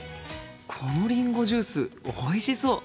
このりんごジュースおいしそう。